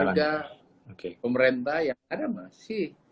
ada pemerintah yang ada masih